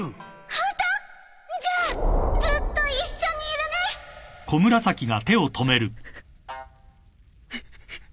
ホント！？じゃあずっと一緒にいるね！うっ。